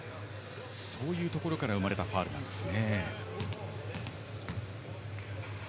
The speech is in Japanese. そういうところから生まれたファウルなんですね。